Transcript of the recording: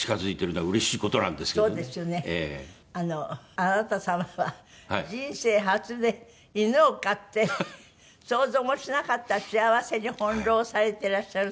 あなた様は人生初で犬を飼って想像もしなかった幸せに翻弄されてらっしゃるって。